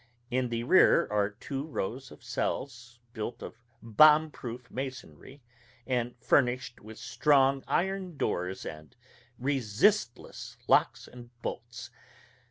In the rear are two rows of cells, built of bomb proof masonry and furnished with strong iron doors and resistless locks and bolts.